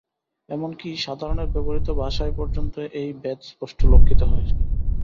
এমন কি, সাধারণের ব্যবহৃত ভাষায় পর্যন্ত এই ভেদ স্পষ্ট লক্ষিত হয়।